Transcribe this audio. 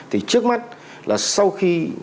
thì trước mắt là sau khi